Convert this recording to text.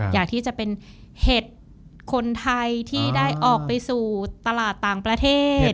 อยากที่จะเป็นเห็ดคนไทยที่ได้ออกไปสู่ตลาดต่างประเทศ